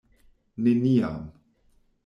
Neniam.